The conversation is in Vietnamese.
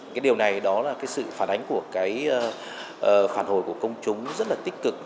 cái điều này đó là cái sự phản ánh của cái phản hồi của công chúng rất là tích cực